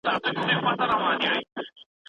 د افغان زعفرانو